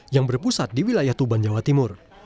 yang berpusat di wilayah tuban jawa timur